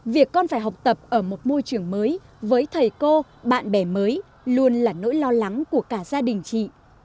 việc con phải học tập ở một môi trường mới với thầy cô bạn bè mới luôn là nỗi lo lắng của cả gia đình chị